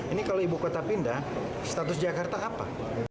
ini kalau ibu kota pindah status jakarta apa